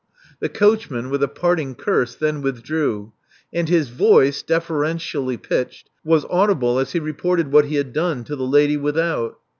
The coachman, with a parting curse, then withdrew; and his voice, deferentially pitched, was audible as he reported what he had done to the lady without.